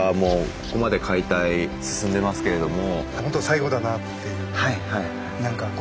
ここまで解体進んでますけれども。